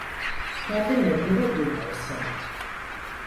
Kendinle gurur duymalısın.